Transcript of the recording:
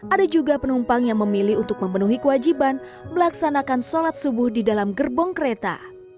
ada juga penumpang yang memilih untuk memenuhi kewajiban melaksanakan sholat subuh di dalam gerbong kereta